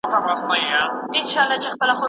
چې په کتاب د اکوړي کې هریو باب جنګ دی